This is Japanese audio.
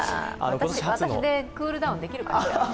私でクールダウンできるかしら。